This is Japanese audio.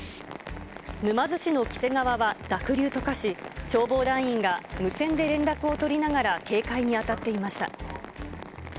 沼津市の黄瀬川は濁流と化し、消防団員が無線で連絡を取りながら警戒に当たっていました。